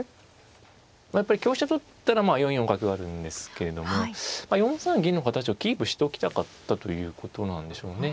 やっぱり香車取ったら４四角があるんですけれども４三銀の形をキープしときたかったということなんでしょうね。